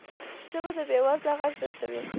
ژبه د بې وزله غږ رسوي